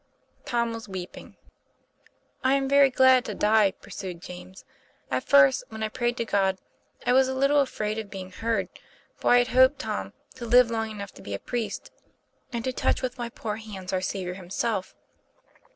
Tom was weeping. 4 1 am very glad to die," pursued James. "At first, when I prayed to God, I was a little afraid of being heard; for I had hoped, Tom, to live long enough to be a priest, and to touch with my poor hands Our Saviour Himself.